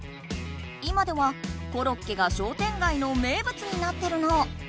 今ではコロッケが商店街の名物になってるの。